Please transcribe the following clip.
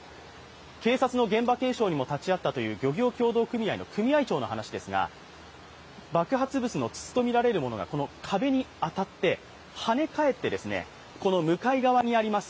警察の現場検証にも立ち会った漁港組合長の話ですが、爆発物の筒とみられるものがこの壁に当たって跳ね返って、この向かい側にあります